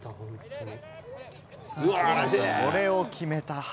これを決めた原。